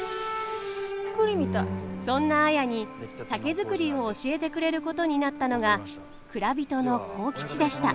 そんな綾に酒造りを教えてくれることになったのが蔵人の幸吉でした。